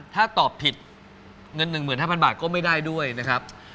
ถ้าตอบผิดเงินหนึ่งหมื่นห้าพันบาทก็ไม่ได้ด้วยนะครับ